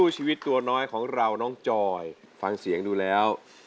จะจบไปแล้ว